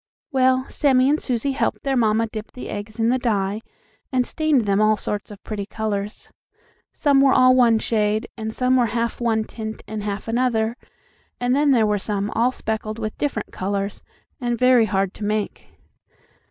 Well, Sammie and Susie helped their mamma dip the eggs in the dye and stained them all sorts of pretty colors. Some were all one shade, and some were half one tint and half another, and then there were some all speckled with different colors, and very hard to make.